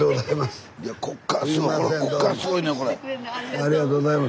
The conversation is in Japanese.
ありがとうございます。